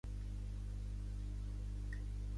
El millor exemple és calces.